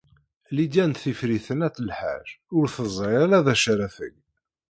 Lidya n Tifrit n At Lḥaǧ ur teẓri ara d acu ara teg.